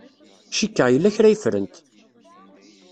Cikkeɣ yella kra ay ffrent.